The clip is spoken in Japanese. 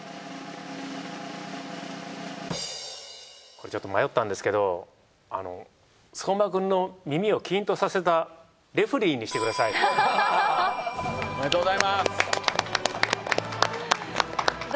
これちょっと迷ったんですけど相馬くんの耳をキーンとさせたレフェリーにしてください。おめでとうございます。